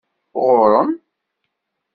Ɣuṛ-m.